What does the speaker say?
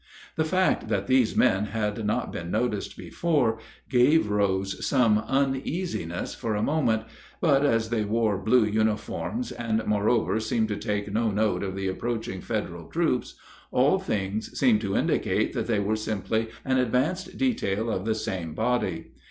The fact that these men had not been noticed before gave Rose some uneasiness for a moment; but as they wore blue uniforms, and moreover seemed to take no note of the approaching Federal troops, all things seemed to indicate that they were simply an advanced detail of the same body.